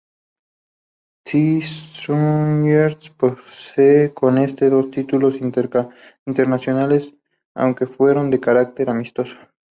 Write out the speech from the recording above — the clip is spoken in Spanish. The Strongest posee con este, dos títulos internacionales, aunque fueron de carácter amistoso.